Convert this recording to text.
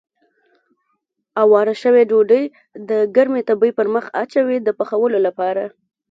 اواره شوې ډوډۍ د ګرمې تبۍ پر مخ اچوي د پخولو لپاره.